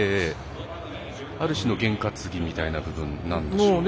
ある種の験担ぎみたいな部分なんでしょうね。